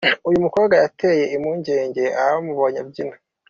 Uyu mukobwa yateye impungenge abamubonye abyina.